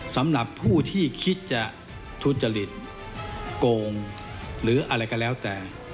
สำหรับผู้ที่คิดจะทุจริตโกงหรืออะไรก็แล้วแต่